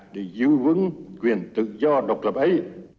để giữ vững quyền tự do độc lập ấy